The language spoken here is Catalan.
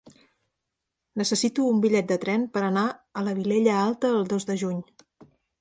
Necessito un bitllet de tren per anar a la Vilella Alta el dos de juny.